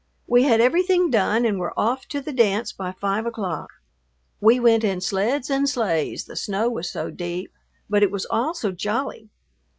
We had everything done and were off to the dance by five o'clock. We went in sleds and sleighs, the snow was so deep, but it was all so jolly.